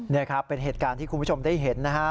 นี่ครับเป็นเหตุการณ์ที่คุณผู้ชมได้เห็นนะฮะ